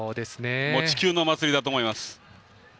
もう、地球のお祭りだと思います。